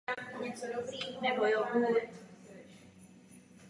Přesné měření času taktéž.